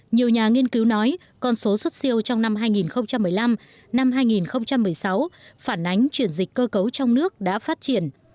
nhiều nhà nghiên cứu nói con số xuất siêu trong năm hai nghìn một mươi năm năm hai nghìn một mươi sáu phản ánh chuyển dịch cơ cấu trong nước đã phát triển